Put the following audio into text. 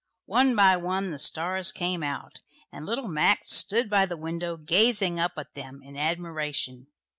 One by one the stars came out, and little Max stood by the window gazing up at them in admiration.